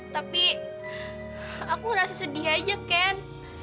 tapi aku rasa sedih aja ken